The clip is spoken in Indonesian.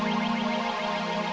apa yang terjadi